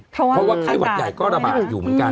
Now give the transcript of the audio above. เพราะว่าไข้หวัดใหญ่ก็ระบาดอยู่เหมือนกัน